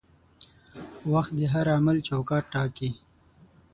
وخت د هر عمل چوکاټ ټاکي.